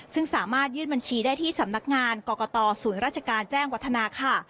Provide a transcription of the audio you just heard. ซึ่งสามารถยื่นบัญชีได้ที่สำนักงานกรกตศูนย์ราชการแจ้งวัฒนาค่ะ